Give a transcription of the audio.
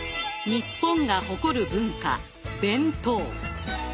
日本が誇る文化弁当。